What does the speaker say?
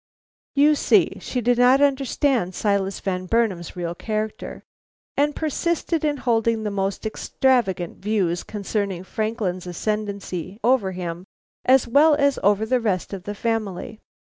You see she did not understand Silas Van Burnam's real character, and persisted in holding the most extravagant views concerning Franklin's ascendancy over him as well as over the rest of the family.